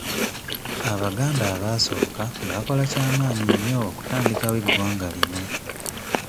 Abaganda abaasooka baakola kya maanyi nnyo okutandikawo eggwanga lino.